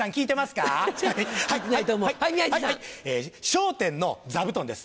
『笑点』の座布団です。